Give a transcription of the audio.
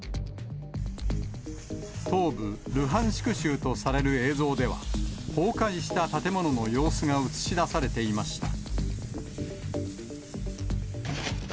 東部ルハンシク州とされる映像では、崩壊した建物の様子が映し出されていました。